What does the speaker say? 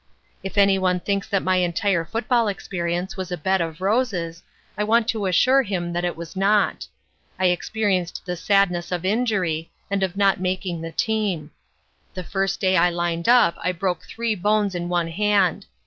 "If any one thinks that my entire football experience was a bed of roses, I want to assure him that it was not. I experienced the sadness of injury and of not making the team. The first day I lined up I broke three bones in one hand.